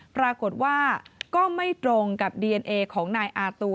ปรากฏว่าก็ไม่ตรงกับดีเอนเอของนายอาตู